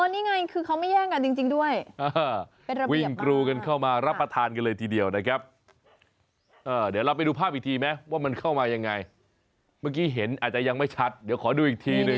นี่ไงคือเขาไม่แย่งกันจริงด้วย